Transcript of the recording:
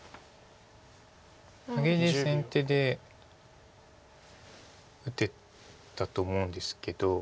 マゲで先手で打てたと思うんですけど。